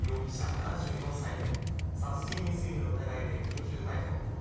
７４歳を、殺人未遂の疑いで緊急逮捕。